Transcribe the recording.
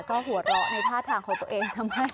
ก็หวดละในท่าทางของตัวเอง